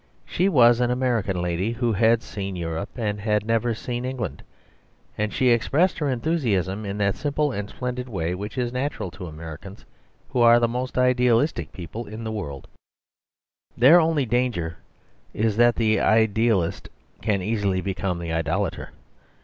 She was an American lady who had seen Europe, and had never yet seen England, and she expressed her enthusiasm in that simple and splendid way which is natural to Americans, who are the most idealistic people in the whole world. Their only danger is that the idealist can easily become the idolator.